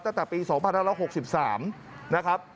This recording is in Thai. ตั้งแต่ปี๒๕๖๓นะครับ